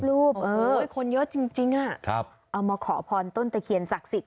ลูบเออโอ้ยคนเยอะจริงจริงอ่ะครับเอามาขอพรต้นตะเขียนศักดิ์สิทธิ์